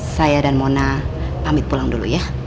saya dan mona pamit pulang dulu ya